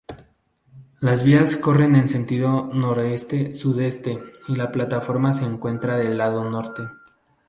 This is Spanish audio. Las vías corren en sentido noreste-sudeste y la plataforma se encuentra del lado norte.